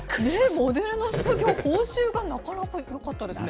モデルの副業、報酬がなかなかよかったですね。